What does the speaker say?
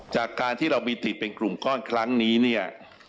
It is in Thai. จากการที่เรามีติเป็นกลุ่มก้อนครั้งนี้เนี่ย